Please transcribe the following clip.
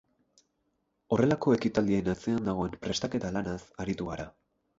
Horrelako ekitaldien atzean dagoen prestaketa lanaz aritu gara.